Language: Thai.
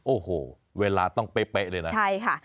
โอ้โหเวลาต้องเป๊ะเลยนะ